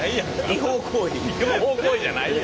違法行為じゃないよほんまに。